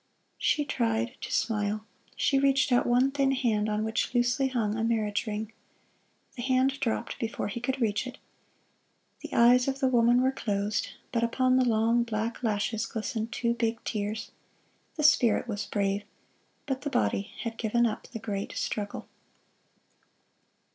She tried to smile. She reached out one thin hand on which loosely hung a marriage ring. The hand dropped before he could reach it. The eyes of the woman were closed, but upon the long, black lashes glistened two big tears. The spirit was brave, but the body had given up the great struggle.